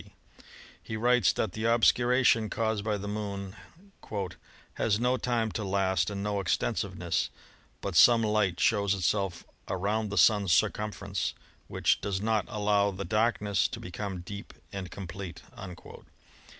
d. He writes that the obscuration caused by the Moon "has no time to last and no extensiveness, but some light shows itself around the Sun's circumference which does not allow the darkness to become deep and complete."